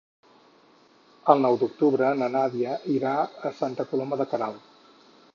El nou d'octubre na Nàdia irà a Santa Coloma de Queralt.